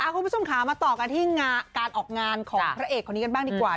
คุณผู้ชมค่ะมาต่อกันที่การออกงานของพระเอกคนนี้กันบ้างดีกว่า